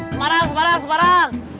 semarang semarang semarang